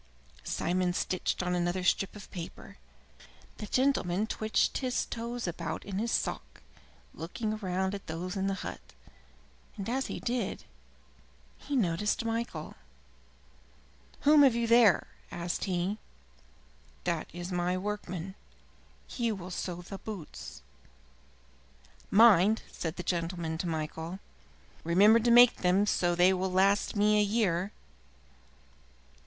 Simon stitched on another strip of paper. The gentleman twitched his toes about in his sock, looking round at those in the hut, and as he did so he noticed Michael. "Whom have you there?" asked he. "That is my workman. He will sew the boots." "Mind," said the gentleman to Michael, "remember to make them so that they will last me a year."